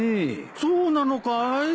そうなのかい？